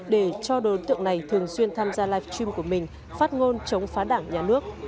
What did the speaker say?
để cho đối tượng này thường xuyên tham gia live stream của mình phát ngôn chống phá đảng nhà nước